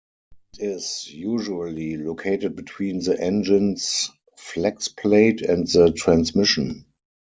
It is usually located between the engine's flexplate and the transmission.